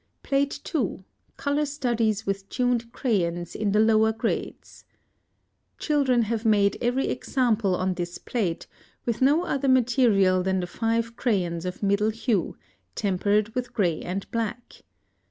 PLATE II. COLOR STUDIES WITH TUNED CRAYONS IN THE LOWER GRADES. Children have made every example on this plate, with no other material than the five crayons of middle hue, tempered with gray and black.